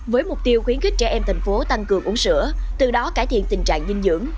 với mục tiêu khuyến khích trẻ em thành phố tăng cường uống sữa từ đó cải thiện tình trạng dinh dưỡng